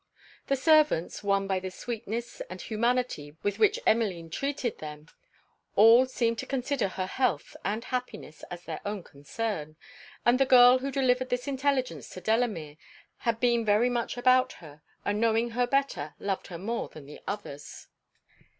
The servants, won by the sweetness and humanity with which Emmeline treated them, all seemed to consider her health and happiness as their own concern; and the girl who delivered this intelligence to Delamere, had been very much about her, and knowing her better, loved her more than the others.